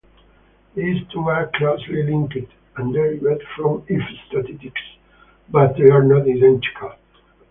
These two are closely linked, and derived from F-statistics, but they are not identical.